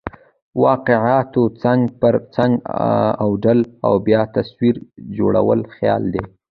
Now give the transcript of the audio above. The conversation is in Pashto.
د واقعاتو څنګ پر څنګ اوډل او بیا تصویر جوړل خیال دئ.